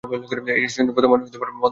এই স্টেশনটি বর্তমানে বন্ধ হয়ে গেছে।